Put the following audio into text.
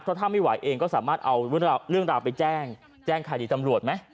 ถ้าไม่ไหวเองก็สามารถเอาเรื่องราวไปแจ้งแจ้งคดีตำรวจไหม